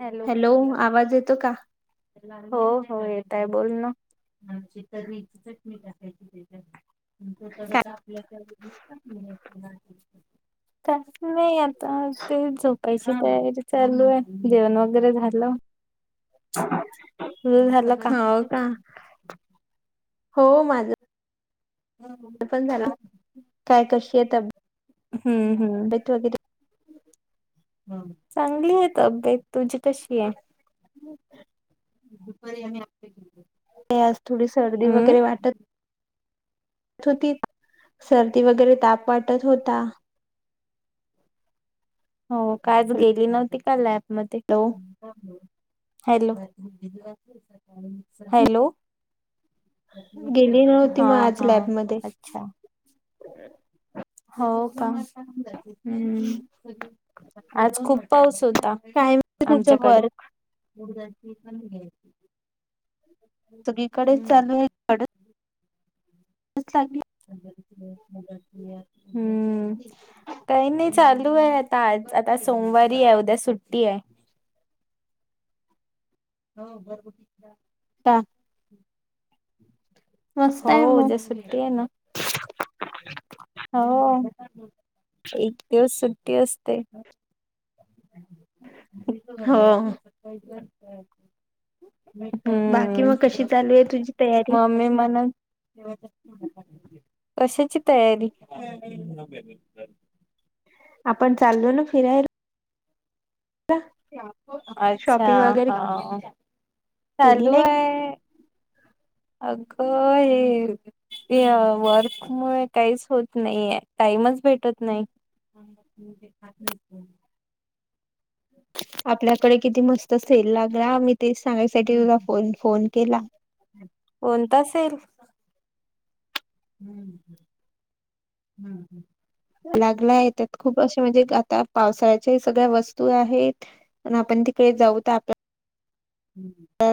Hello आवाज येतो का हो होय. काय बोल ना. काय [unintelligible] नाही आता ते झोपायची तयारी चालू आहे जेवण वगैरे झालं. जेऊन झालं का? हो माझं. पण झालं, काय कशी आहे त हम्म हम्म. चांगली आहे तब्बेत. तुझी कशी आहे? दुपारी आम्ही आप्पे ते आज थोडी सर्दी वगैरे वाटत. होती, सर्दी वगैरे ताप वाटत होता. हो, कायच हॅलो गेली नव्हती का लॅबमध्ये? Hello, hello. गेली नव्हती हा मग आज हा, लॅबमध्ये अच्छा. हो का? [unintelligible] हम्म, आज खूप पाऊस होता, काय माहिती तुझं आमच्याकडे. वर्क उडदाची पण घ्यायची. सगळीकडेच चालू आहे [unintelligible] लागली हम्म, काय नाही चालू आहे आता, आज आता सोमवारी आहे उद्या सुट्टी आहे. हो घर बुटी का मस्त हो आहे मग उद्या सुट्टी आहे ना. [unintelligible] हो, एक दिवस सुट्टी असते. [unintelligible] हो हम्म, बाकी मग कशी चालू आहे तुझी तयारी मम्मी मना. तेव कशाची तयारी? आपण चाललो ना फिरायला. अच्छा, शॉपिंग वगैरे हा. केली चालू नाही आहे, अगं ह. ते वर्क मुळे काहीच होत नाही ये,,, टाईमच भेटत नाही. [unintelligible] खात नाहीत ते. आपल्याकडे किती मस्त सेल लागला, मी तेच सांगायसाठी तुला फ फोन केला. कोणता सेल? हम्म, हम्, हम्म, हम्म लागला आहे, त्यात खूप अशे म्हणजे आता पावसाळ्याच्या सगळ्या वस्तू आहेत, आपण त प जाऊत आप हम्म, हम्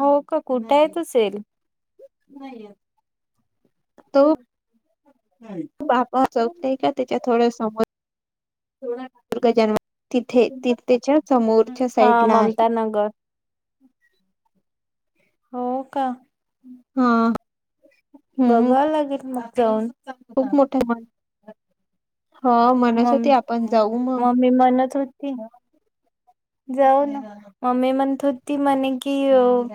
हो का? कुठय तो सेल? तो बापा चौक नाय का त्याच्या थोड्या समोर दुर्ग [unintelligible] तिथे, तेच्या समोरच्या हा साइडला आहे. ममता नगर हो का? हा. हम्म बघाय लागेल मग जाऊन. खूप मोठाय म्हण मम्मी, मग मम्मी म्हणत होती जाऊ ना, मम्मी म्हणत होती म्हणे की,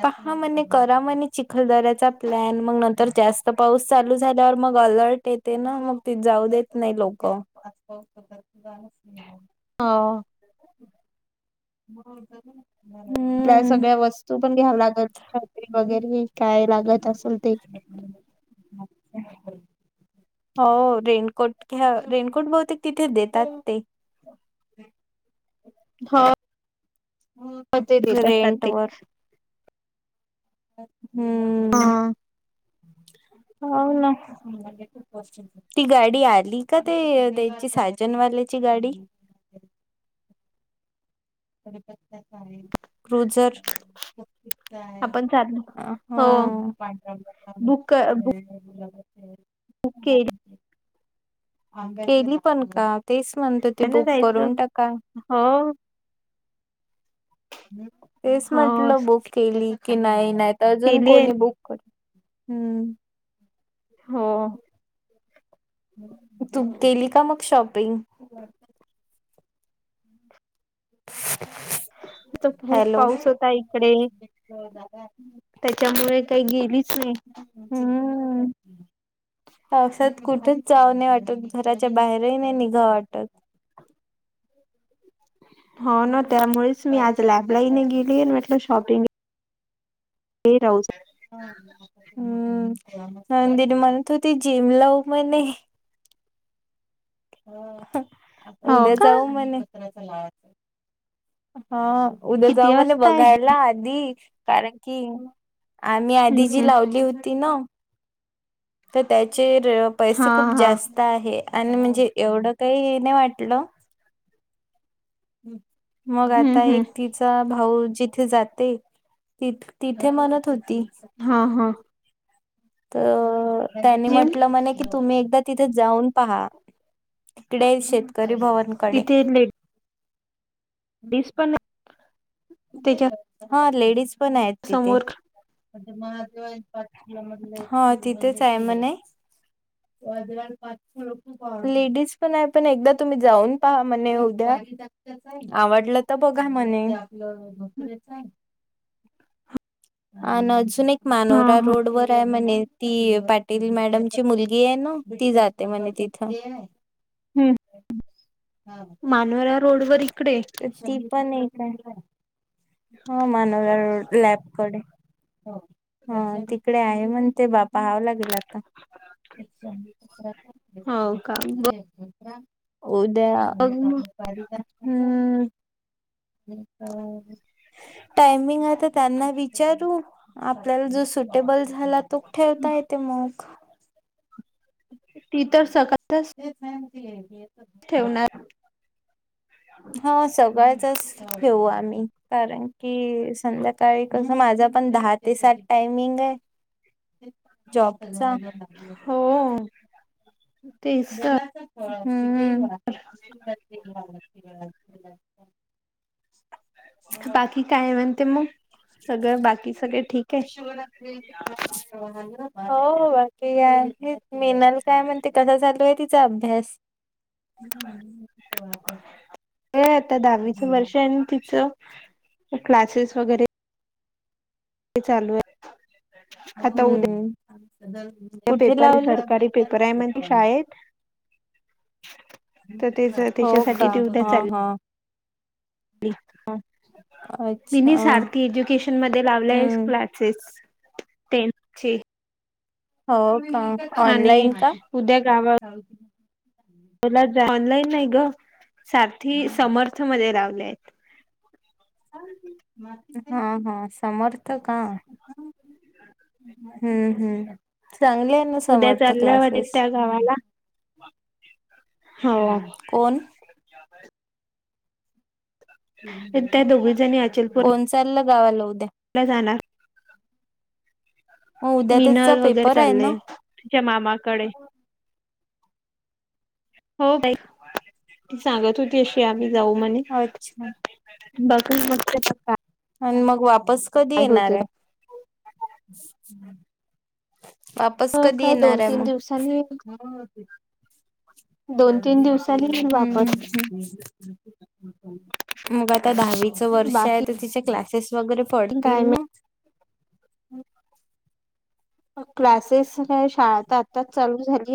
पहा म्हणे करा म्हणे चिखल दऱ्या चा प्लॅन, मग नंतर जास्त पाऊस चालू झाल्यावर, मग अलर्ट येते ना मग ती जाऊ देत नाही. लोकं ह [unintelligible] आपल्याला हम्म सगळ्या वस्तू पण घ्यावं लागल, छत्री वगैरे काय लागत असल ते, [inaudible] [unintelligible] हो, रेनकोट घ्या, रेनकोट बहुतेक तिथे देतात ते. [unintelligible] हो, हो ते देत असतात रेंट ते. वर हा, हम्म. हो ना, ती गाडी आली का ते द्यायची साजन वा ल्याची गाडी [inaudible] क्रूझर आपण [unintelligible] चाललो हो हमम. [unintelligible] [inaudible] बुक बुक केली केली पण का? तेच म्हणतो ती ना बुक जायचं करून टाका. हो तेच हो म्हटलं बुक केली की नाही-नाही तर अजून केली आहे कोणी बुक करू हम्म. हो. तू केेली का मग शॉपिंग. आता खूप हॅलो पाऊस होता इकडे, त्याच्यामुळे काही गेली. हम्म [inaudible] पावसात कुठच जाऊ नाही वाटत, घराच्या बाहेरही नाही निघाव वाटत. [inaudible] हो ना त्यामुळेच मी आज लॅबला ही नाय गेली म्हटलं शॉपिंग [unintelligible] हम्म नंदीनी म्हणत होती, जिम लाव म्हणे. हो उद्या का जाऊ म्हणे. हा उद्या जाऊ किती म्हणे वाजता आहे जिम? बघायला आधी, कारण की आम्ही आधी हम्म जी हम्म लावली होती ना तर त्याचे पैसे हा खूप हा जास्त आहे. आणि म्हणजे एवढं काही नाही वाटलं. मग हम्म आता हम्म एक तिचा भाऊ - - जिथे जाते ति तिथे म्हणत हो हा-हा. तर त्यांनी जिम म्हटलं म्हणे की तुम्ही एकदा तिथे जाऊन पहा. तिकडे शेतकरी भवनकडे - - डीस पण - - हा लेडीज पण आहेत तिथे. समोर [unintelligible] हा तिथेच आहे म्हणे. लेडीज पण आहे पण एकदा तुम्ही जाऊन पहा म्हणे उद्या. आवडलं तर बघा म्हणे. अ अजून एक हा मानोरा हा रोड वर आहे म्हणे. ती पाटील मॅडमची मुलगी आहे ना ती जात ते म्हणे तिथं. मानोरा रोड - - तर ती पण एक काय. हा. मानोरा रोड लॅबकडे. ह तिकडे आहे म्हण ते बापा हवं लागे - - लता [inaudible] हो का उद्या. बघ मग हम्. टायमिंग हाय तर त्यांना विचारू आपल्याला जस - - सुटेबल झाला तो ठेवता येते मग. ती तर सका - - ते सहमती घ्यायची. ठेवणार [inaudible] हा. सगळ्याचच ठेऊू आम्ही. कारण की संध्याकाळी कसं माझा पण दहा ते सात टायमिंग हाय. जॉबचा. हो तेच तर. [inaudible] हं. हं. [unintelligible] बाकी काय म्हणते मग सगळं बाकी सगळे ठीक आहे. [unintelligible] [unintelligible] हो बाकी काय, मिनल काय म्हणते, कसा चालू आहे तिचा अभ्यास? हम्म [unintelligible] ये आता दहावीचं वर्ष आय ना तिचं, क्लासेस वगैरे [unintelligible] चालू आय हम्म, कुठे पेपर लावले? सरकारी पेपर आहे म्हणजे शाळेत तर ते हो त्याच्यासाठी का, हा हा [unintelligible] अच्छा तिनी हम्म सार्थी एज्युकेशन मध्ये लावलेयस क्लासेस तेची. हो का. ऑनलाईन का. तला ऑनलाईन नाही ग सारथी समर्थ मध्ये राव. [unintelligible] हा, हा. समर्थ का? हम्म, हम्म, चांगली आहे ना उद्या समर्थ चालल्या वाटत क्लासेस. त्या गावाला हो हम्म. कोण? त्या दोघी कोणचाल गावाला? त्या जाणार. मग उद्या त्याचा मिनल वगैरे पेपर आहे चाले ना तिच्या मामाकडे. हो बाई, सांगत होती अशी आम्ही जाऊ म्हणे अच्छा [unintelligible] बघुन मकते प का आणि मग वापस कधी येणाराय? [unintelligible] वापस हो कधी काय दोन येणाराय तीन मग? [unintelligible] हम्. सर्दी तेन [unintelligible] हम्म् हम्म् मग आता दहावीच व वर्षे आय बाकी ते तिचे क्लासेस वगैरे पडतील काय ना, माहित [unintelligible] अ क्लासेस काय शाळा त आताच चालू झाली.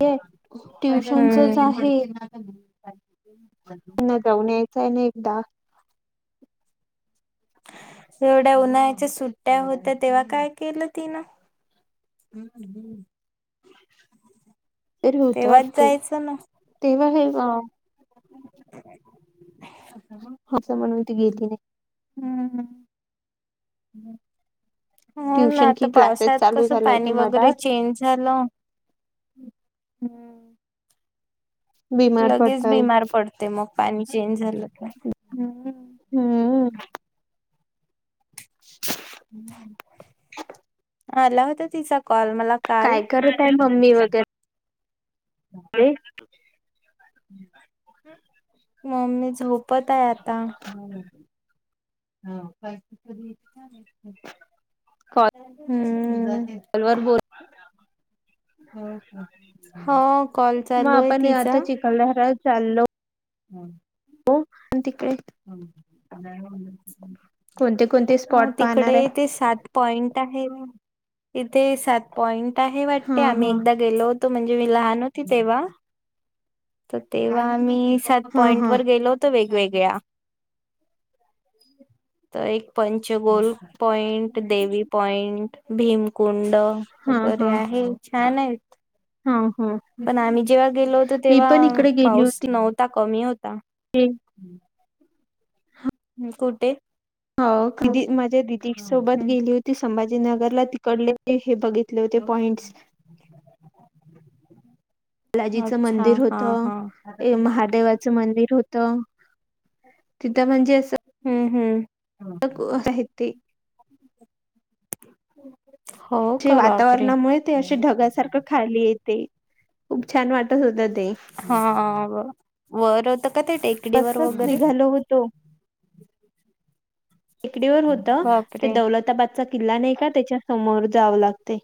[unintelligible] हम्म. ट्युशनचच आहे. पुन्हा जाऊन यायचं आणे एकदा येवढ्या उन्हाळ्याच्या सुट्ट्या होत्या, तेव्हा काय केलं तिनं? हम्म हम्म. तरी होत वाटते, जायचं ना तेव्हा हे अ [unintelligible] असं म्हणून ती गेली [unintelligible] हम्म हम्म [unintelligible] हो ना ट्युशन आता कि क्लासेस पावसात चालू कसं झाले होते पाणी वगैरे मधात चेंज झालं. हम्म. बिमार लगेच पडतात बीमार पडते मग पाणी चेंज झालं की, हम्म हम्म [inaudible] हम्म आला होता तिचा कॉ कॉल मला काल, काय करत आहे हू मम्मी हू वगैरे [unintelligible] [unintelligible] हम्म हू, मम्मी झोपताय आता [unintelligible] ह [unintelligible] कधी येती काय माहिती, हम्म अलवार बोल हो कॉल [unintelligible] म चालू आहे आपण ये तिचा आता चिकलधारा चाल्लो [unintelligible] हो आणि ते कोणते कोणते स्पॉट पाहणार तिकडे आहे ते सात पॉइंट, इथे सात पॉइंट आहे वाटते हा आम्ही हा एकदा गेलोत, तो म्हणजे मी लहान होती तेव्हा. तर तेव्हा आम्ही सात हा पॉइंट हा वर गेलो होतो, वेगवेगळ्या, [unintelligible] तर एक पंचगोलोल पॉइंट, देवी पॉइंट, भीमकुंड, हा बर हा आहे छान आहेत हा हा पण, आम्ही जेव्हा गेलो होतो. मी पण तेव्हा इकडे गेली पाऊस होती नव्हता, कमी होता, [unintelligible] हू कुठे? हो कधी माझ्या दिदी सोबत हम्म गेली होती संभाजीनगरला तिकडले हे बघितले होते पॉइंट् बालाजीचं अच्छा मंदिर हा होतं, हा ये महादेवाचं मंदिर होत. तिथं म्हणजे असं हम्म हम्म [unintelligible] [unintelligible] चे का बापरे वातावरणामुळे ते असे ढगासारखं खाली येते, खूप छान वाटत होत ते हा ब वर होत का ते टेकडी वर तसच वगैरे? निघालो होतो टेकडीवर होत, ते बापरे दौलताबादचा किल्ला नाही का त्याच्या समोर जावं लागतय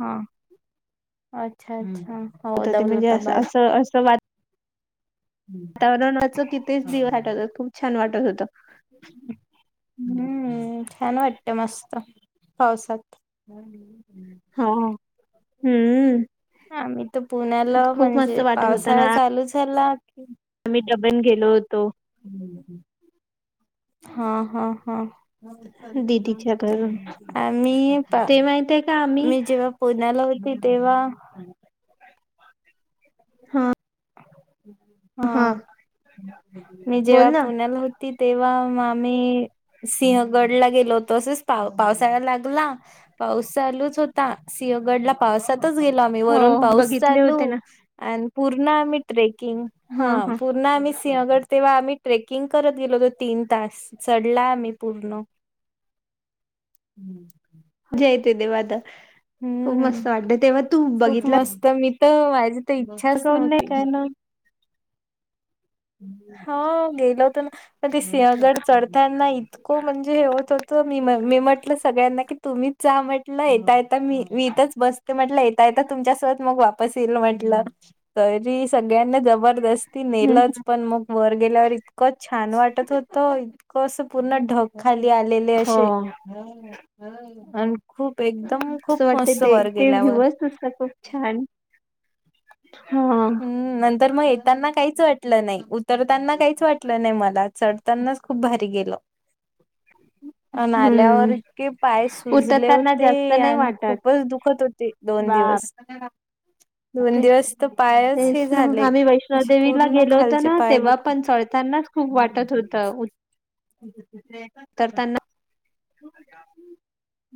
हा अच्छा अच्छा हो होत दौलताबाद, वातावरण वाच किथेच दिव वाटत हो खूप छान वाटत होतं, हम्, हम्म छान वाटत मस्त पावसात, हो हम्म, आम्ही तर पुण्याला खूप मस्त म्हणजे, वाटत होत पावसाळा ना चालूच झाला आम्ही दडबण गेलो होतो. हम्म हम् हा हा हा, दिदीच्या घरून आ मी पा, ते माहितय का आम्ही मी जेव्हा पुण्याला होती तेव्हा. हा हा मी, बोल जेव्हा ना पुण्याला होती तेव्हा, ग आम्ही सिंहगडला गेलो होतो, तच पा पावसाळा लागला पावसा, चा होता सिंगडला पावसात, गेलो आम्ही हो वरून पाऊस बघितले होते चालू, ना आणि पूर्ण आम्ही ट्रेक, हा पूर्ण, सिंहगड तेव्हा आम्ही ट्रेकिंग करत, गेलोतो तीन तास चढला आम्ही पूर्ण, [unintelligible] हम्म, जय त देवाद खूप हम्म मस्त वाटत तेव्हा तू खूप बघितलं, मस्त मी तर माझी तर इच्छाच नव्हती, ना हा गेल होत ना, मण ते सिंहगड चढताना इतकं म्हणजे होत हो, त मी मी म्हटलं सगळ्यांना की तुम्हीच जा म्हटलं येता, यता मी मी इथच बसते म्हटलं येता य, आ तुमच्यासोबत मग वापस येईल म्हटलं, तरी सगळ्यांना जबरदस्ती नेलच, वर गेल्यावर इतकं छान वाटत होतं, इतकं असं पूर्ण ढक, खाली आलेले हो असे खूप, एकदम खूप, असं वाटत मस्त ते वर ते गेल्यावर, व्ह्यूवच नुसता खूप छान हा तर मग येताना काहीच वाटलं नाही, उतरताना काहीच वाटलं नाही मला चढतानाच खूप भारी गेलं, [unintelligible] नाल्यावर हम्म इतके पाय सुजले उतरताना जास्त होते, नाही आणि वाटत खूपच दुखत होते दोन बापरे दिस, दि दोन दिवस... पायच हे एस ना झाले. आम्ही असे वैष्णोदेवीला पूर्ण गेलो होतो खालचे ना पाय तेव्हा दुख पण चळतानाच खूप वाटत होतं... हूल.... अ तेच ख ब...